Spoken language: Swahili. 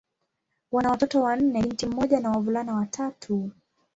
Wana watoto wanne: binti mmoja na wavulana watatu.